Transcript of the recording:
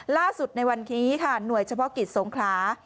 ล่าสุดในวันนี้ค่ะหน่วยเฉพาะกิจสงขลา